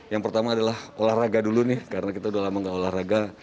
yang pertama adalah olahraga dulu nih karena kita udah lama gak olahraga